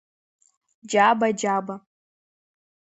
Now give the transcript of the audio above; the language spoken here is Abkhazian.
Џьаба, Џьаба!